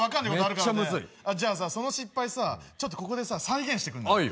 めっちゃむずいじゃあさその失敗さちょっとここでさ再現してくんない？